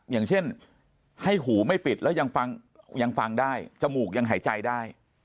อย่างเช่นให้หูไม่ปิดแล้วยังฟังได้จมูกยังหายใจได้